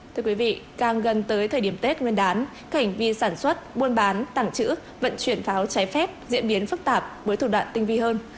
thưa quý vị càng gần tới thời điểm tết nguyên đán cảnh vi sản xuất buôn bán tặng chữ vận chuyển pháo trái phép diễn biến phức tạp với thủ đoạn tinh vi hơn